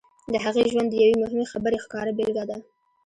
د هغې ژوند د یوې مهمې خبرې ښکاره بېلګه ده